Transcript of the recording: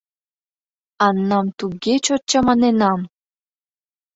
Аннам туге чот чаманенам.